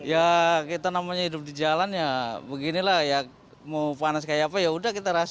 ya kita namanya hidup di jalan ya beginilah ya mau panas kayak apa yaudah kita rasain